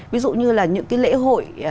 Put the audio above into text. ví dụ như là những cái lễ hội